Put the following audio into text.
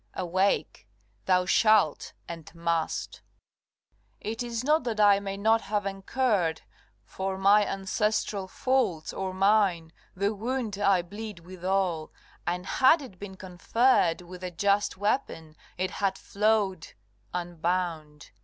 Awake! thou shalt, and must. CXXXIII. It is not that I may not have incurred For my ancestral faults or mine the wound I bleed withal, and had it been conferred With a just weapon, it had flowed unbound.